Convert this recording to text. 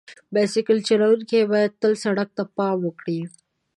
بایسکل چلونکي باید تل سړک ته پام وکړي.